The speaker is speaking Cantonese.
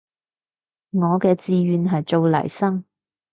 我嘅志願係做黎生